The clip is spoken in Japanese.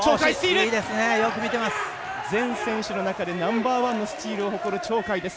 全選手の中でナンバーワンのスチールを誇る鳥海です。